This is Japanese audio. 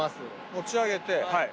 持ち上げてはい。